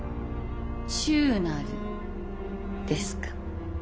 忠なるですか。